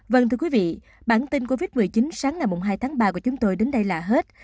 vâng thưa quý vị bản tin covid một mươi chín sáng ngày hai tháng ba của chúng tôi đến đây là hết